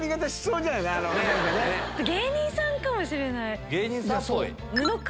芸人さんかもしれない。